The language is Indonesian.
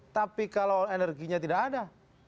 tapi kalau energinya tidak ada